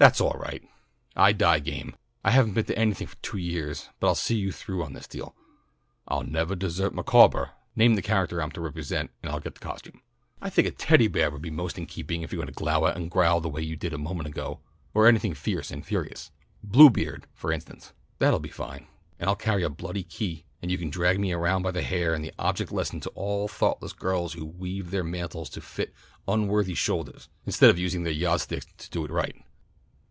"That's all right. I die game. I haven't been to anything for two years, but I'll see you through on this deal. 'I'll never desert Micawber.' Name the character I'm to represent and I'll get the costume." "I think a Teddy beah would be most in keeping if you're going to glowah and growl the way you did a moment ago, or anything fierce and furious; Bluebeard for instance. That would be fine, and I'll carry a bloody key and you can drag me around by the hair as an object lesson to all thoughtless girls who weave their mantles to fit unworthy shouldahs instead of using their yah'd sticks to do it right."